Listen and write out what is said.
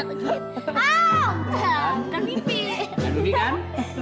bukan mimpi kan